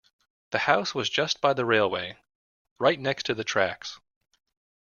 The house was just by the railway, right next to the tracks